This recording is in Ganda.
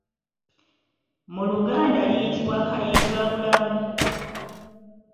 Mu Luganda liyitibwa Kayigabulamu.